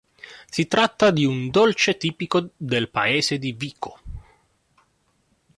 Si tratta di un dolce tipico del paese di Vico.